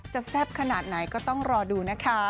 แซ่บขนาดไหนก็ต้องรอดูนะคะ